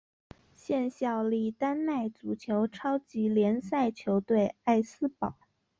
现效力丹麦足球超级联赛球队艾斯堡。